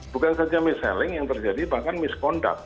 bukan saja mis selling yang terjadi bahkan mis conduct